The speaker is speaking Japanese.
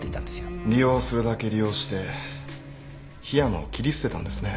利用するだけ利用して樋山を切り捨てたんですね。